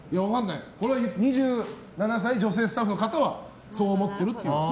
２７歳女性スタッフの方はそう思っているという。